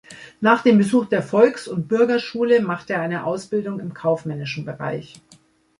Nach dem Besuch der Volks- und Bürgerschule macht er eine Ausbildung im kaufmännischen Bereich.